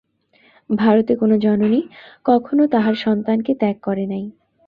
ভারতে কোন জননী কখনও তাহার সন্তানকে ত্যাগ করে নাই।